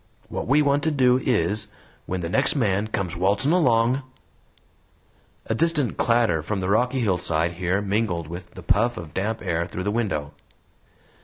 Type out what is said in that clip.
What we want to do is, when the next man comes waltzin' along " A distant clatter from the rocky hillside here mingled with the puff of damp air through the window.